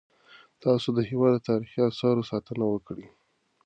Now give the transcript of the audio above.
تاسو د هیواد د تاریخي اثارو ساتنه وکړئ.